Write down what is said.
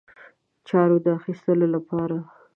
چارو د اخیستلو لپاره.